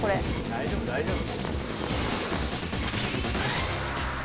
大丈夫大丈夫。